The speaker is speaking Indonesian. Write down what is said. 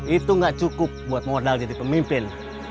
itu gak cukup buat modal jadi pemimpin